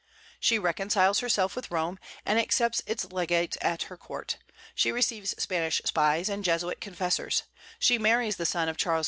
She reconciles herself with Rome, and accepts its legate at her court; she receives Spanish spies and Jesuit confessors; she marries the son of Charles V.